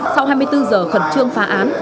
sau hai mươi bốn giờ khẩn trương phá án